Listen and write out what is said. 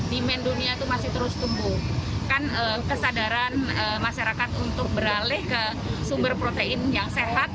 demand dunia itu masih terus tumbuh kan kesadaran masyarakat untuk beralih ke sumber protein yang sehat